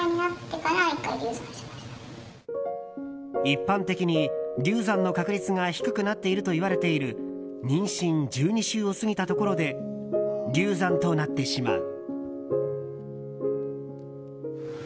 一般的に、流産の確率が低くなっているといわれている妊娠１２週を過ぎたところで流産となってしまう。